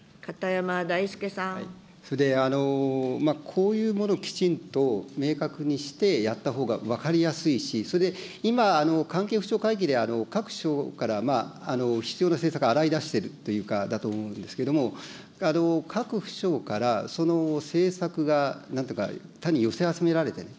それで、こういうものをきちんと明確にしてやったほうが分かりやすいし、それで、今、関係府省会議で各省から必要な政策洗いだしていると思うんですけれども、各府省からその政策がなんていうか、単に寄せ集められてる。